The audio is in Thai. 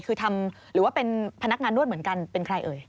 คือทำหรือว่าเป็นพนักงานนวดเหมือนกันเป็นใครเอ่ย